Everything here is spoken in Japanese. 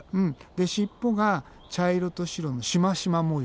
で尻尾が茶色と白のシマシマ模様。